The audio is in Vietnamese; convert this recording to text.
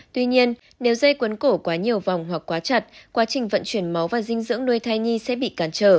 tuy nhiên nếu dây cuốn cổ quá nhiều vòng hoặc quá chặt quá trình vận chuyển máu và dinh dưỡng nuôi thai nhi sẽ bị cản trở